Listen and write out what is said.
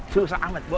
susah amat bu